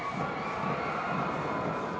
สวัสดีทุกคน